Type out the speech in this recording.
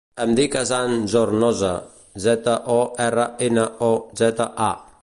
Em dic Hassan Zornoza: zeta, o, erra, ena, o, zeta, a.